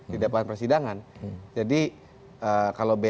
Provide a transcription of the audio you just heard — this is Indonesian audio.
di depan persidangan jadi kalau b